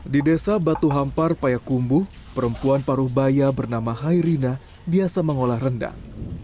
di desa batuhampar payakumbu perempuan paruh baya bernama hairina biasa mengolah rendang